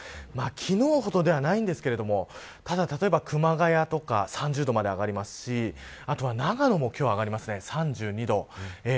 昨日ほどではないんですがただ例えば熊谷とか３０度まで上がりますしあとは長野も今日は上がります